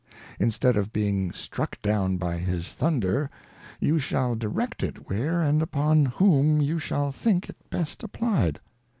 Instead of being struck down by his Thunder, you shall direct it where and upon whom you shall think it best applied.